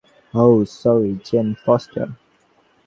Oh, sorry, Jane foster.